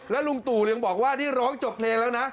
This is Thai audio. ลุงตู่ยังบอกว่านี่ร้องจบเพลงแล้วนะ